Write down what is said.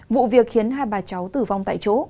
vụ việc khiến hai bà cháu tử vong tại chỗ